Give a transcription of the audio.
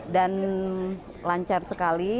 dan lancar sekali